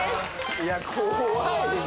いや怖いね。